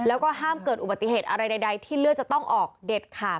แล้วก็ห้ามเกิดอุบัติเหตุอะไรใดที่เลือดจะต้องออกเด็ดขาด